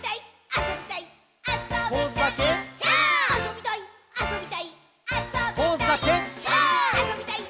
あそびたい！